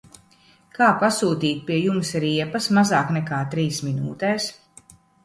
Kā pasūtīt pie jums riepas mazāk nekā trīs minūtēs?